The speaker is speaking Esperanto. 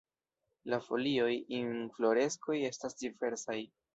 La folioj, infloreskoj estas diversaj.